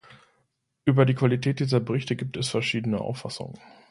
Über die Qualität dieser Berichte gibt es verschiedene Auffassungen.